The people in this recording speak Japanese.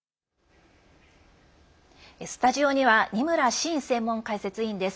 スタジオには二村伸専門解説委員です。